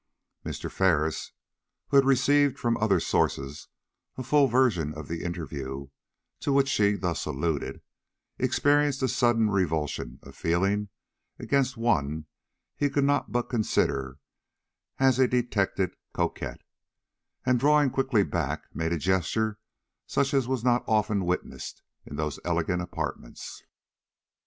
Mr. Ferris, who had received from other sources a full version of the interview to which she thus alluded, experienced a sudden revulsion of feeling against one he could not but consider as a detected coquette; and, drawing quickly back, made a gesture such as was not often witnessed in those elegant apartments.